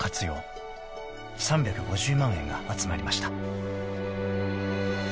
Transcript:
［３５０万円が集まりました］